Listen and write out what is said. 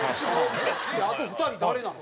あと２人誰なの？